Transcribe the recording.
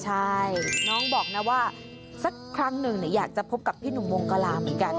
ใช่น้องบอกนะว่าสักครั้งหนึ่งอยากจะพบกับพี่หนุ่มวงกลาเหมือนกัน